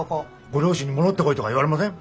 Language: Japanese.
ご両親に戻ってこいとか言われません？